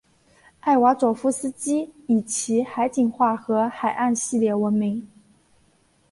艾瓦佐夫斯基以其海景画和海岸系列闻名。